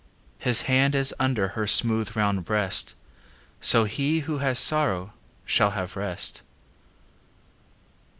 His hand is under Her smooth round breast; So he who has sorrow Shall have rest.